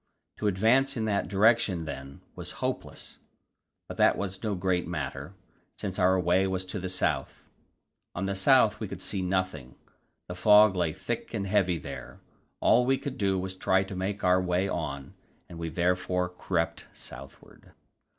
To advance in that direction, then, was hopeless, but that was no great matter, since our way was to the south. On the south we could see nothing; the fog lay thick and heavy there. All we could do was to try to make our way on, and we therefore crept southward.